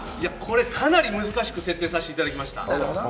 かなり難しく設定させていただきました。